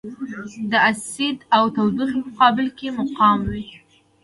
د اسید او تودوخې په مقابل کې مقاوم وي.